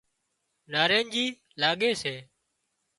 ناريڄي لاڳي سي